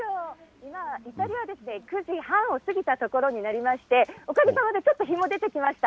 今、イタリアは９時半を過ぎたところになりまして、おかげさまでちょっと日も出てきました。